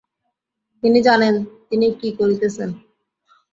তিনি জানেন, তিনি কি করিতেছেন।